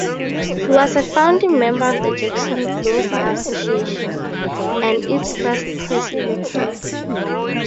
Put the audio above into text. He was a founding member of the Jacksonville Bar Association and its first president.